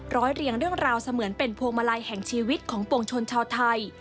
เรียงเรื่องราวเสมือนเป็นพวงมาลัยแห่งชีวิตของปวงชนชาวไทย